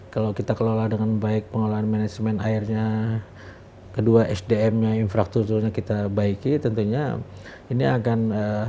kalau kita kelola dengan baik pengelolaan manajemen airnya kedua sdm nya infrastrukturnya kita baiki tentunya ini akan